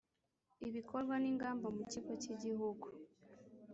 Ibikorwa n Ingamba mu Kigo cy Igihugu